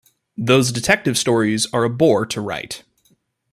Those detective stories are a bore to write.